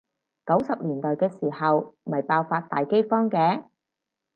九十年代嘅時候咪爆發大饑荒嘅？